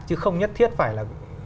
chứ không nhất thiết phải là